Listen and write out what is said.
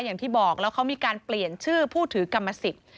อย่างที่บอกแล้วเขามีการเปลี่ยนชื่อผู้ถือกรรมสิทธิ์